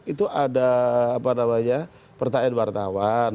itu ada apa namanya pertanyaan wartawan